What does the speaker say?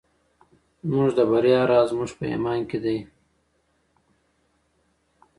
زموږ د بریا راز په زموږ په ایمان کې دی.